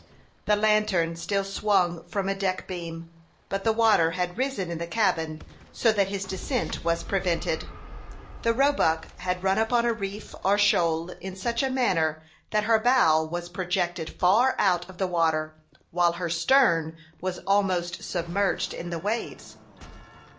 The lantern still swung from a deck beam, but the water had risen in the cabin so that his descent was prevented. The Roebuck had run upon a reef or shoal in such a manner that her bow was projected far out of the water, while her stern was almost submerged in the waves.